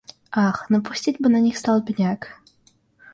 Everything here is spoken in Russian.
Ах, напустить бы на них столбняк!